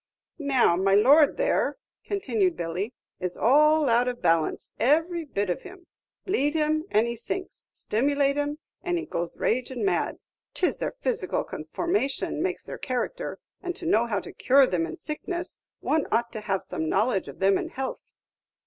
"Now, my lord there," continued Billy, "is all out of balance, every bit of him. Bleed him, and he sinks; stimulate him, and he goes ragin' mad. 'T is their physical conformation makes their character; and to know how to cure them in sickness, one ought to have some knowledge of them in health."